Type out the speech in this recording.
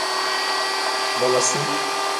Bolosiv.